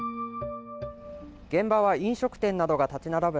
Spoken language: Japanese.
現場は飲食店などが立ち並ぶ